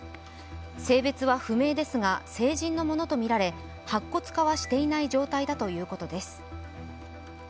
性別は不明ですが成人のものとみられ白骨化はしていない状態だということです。